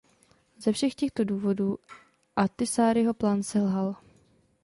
Ze všech těchto důvodu Ahtisaariho plán selhal.